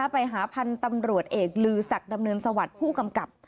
ไปหาพันธนตรวจเอกลือศักดรสวทธิ์ผู้กำกับ